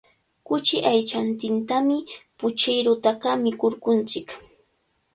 Kuchi aychantintami puchirutaqa mikunchik.